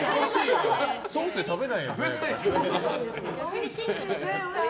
ソースで食べないよね。